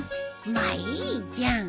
まあいいじゃん。